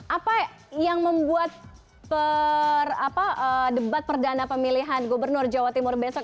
apa yang membuat debat perdana pemilihan gubernur jawa timur besok